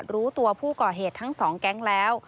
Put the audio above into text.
รู้ตัวผู้ก่อเหตุทั้งสองแก๊งแล้ว